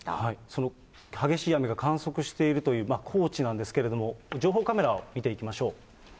その激しい雨が観測しているという高知なんですけれども、情報カメラを見ていきましょう。